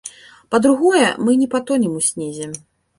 Па-другое, мы не патонем у снезе.